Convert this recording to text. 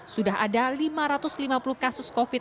sudah ada lima ratus lima puluh kasus covid sembilan belas